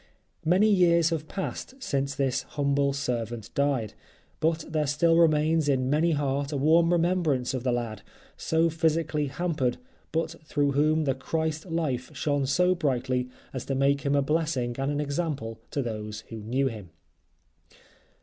Many years have passed since this humble servant died, but there still remains in many a heart a warm remembrance of the lad, so physically hampered, but through whom the Christ life shone so brightly as to make him a blessing and an example to those who knew him.